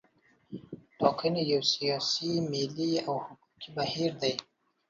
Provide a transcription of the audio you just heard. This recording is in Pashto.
ټاکنې یو سیاسي، ملي او حقوقي بهیر دی.